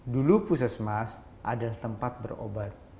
dulu pusat semestinya adalah tempat berobat